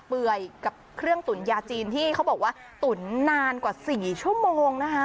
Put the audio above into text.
เปื่อยกับเครื่องตุ๋นยาจีนที่เขาบอกว่าตุ๋นนานกว่า๔ชั่วโมงนะคะ